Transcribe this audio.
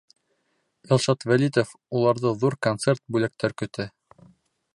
Илшат ВӘЛИТОВ, Уларҙы ҙур концерт, бүләктәр көтә.